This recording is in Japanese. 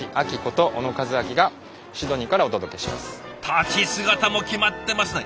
立ち姿もキマってますね！